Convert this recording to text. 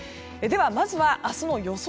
まずは明日の予想